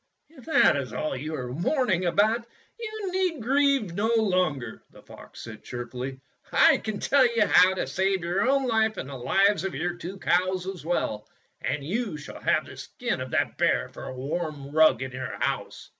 ''If that is all you are mourning about, you need grieve no longer," the fox said cheerfully. "I can tell you how to save your own life and the lives of your two cows as well; and you shall have the skin of that bear for a warm rug in your house."